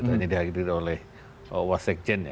hanya dihadir oleh wassekjen